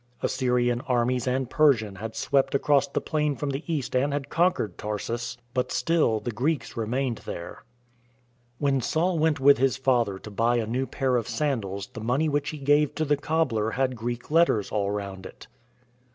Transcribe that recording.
Assyrian armies and Persian had swept across the plain from the East and had conquered Tarsus, but still the Greeks remained there. When Saul went with his father to buy a new pair of sandals the money which he gave to the cobbler had Greek letters all round it.